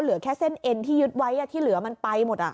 เหลือแค่เส้นเอ็นที่ยึดไว้ที่เหลือมันไปหมด